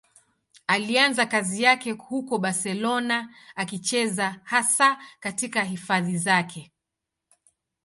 Alianza kazi yake huko Barcelona, akicheza hasa katika hifadhi zake.